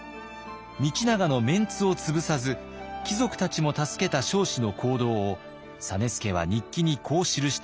道長のメンツを潰さず貴族たちも助けた彰子の行動を実資は日記にこう記しています。